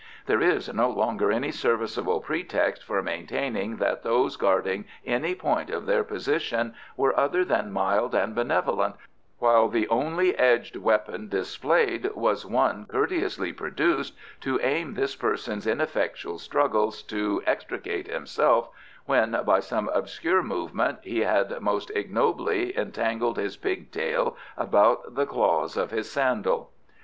There is no longer any serviceable pretext for maintaining that those guarding any point of their position were other than mild and benevolent, while the only edged weapon displayed was one courteously produced to aid this person's ineffectual struggles to extricate himself when, by some obscure movement, he had most ignobly entangled his pigtail about the claws of his sandal.